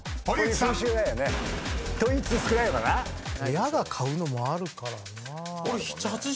親が買うのもあるからな。